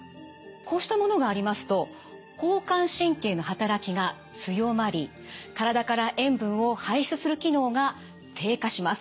こうしたものがありますと交感神経の働きが強まり体から塩分を排出する機能が低下します。